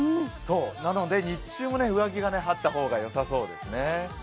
なので日中も上着があった方がよさそうですね。